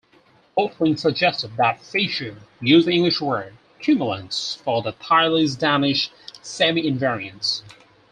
Hotelling suggested that Fisher use the English word "cumulants" for the Thiele's Danish "semi-invariants".